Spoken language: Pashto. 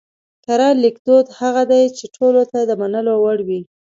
کره ليکدود هغه دی چې ټولو ته د منلو وړ وي